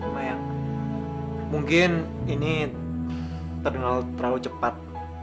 lumayan mungkin ini terdengar terlalu cepat